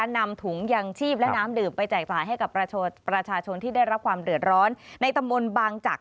นำถุงยางชีพและน้ำดื่มไปแจกจ่ายให้กับประชาชนที่ได้รับความเดือดร้อนในตำบลบางจักร